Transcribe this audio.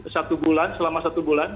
satu bulan selama satu bulan